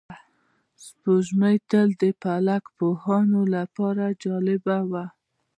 سپوږمۍ تل د فلک پوهانو لپاره جالبه وه